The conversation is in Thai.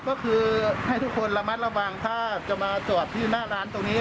ก็คือให้ทุกคนระมัดระวังถ้าจะมาจอดที่หน้าร้านตรงนี้